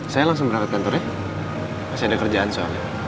saya langsung berangkat kantor ya masih ada kerjaan soalnya